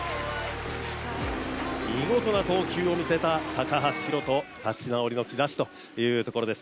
見事な投球を見せた高橋宏斗、立ち直りの兆しというところです。